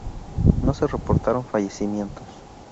No se reportaron fallecimientos.